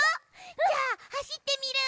じゃあはしってみる！